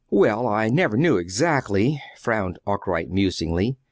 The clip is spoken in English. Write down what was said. "Why, I never knew, exactly," frowned Arkwright, musingly.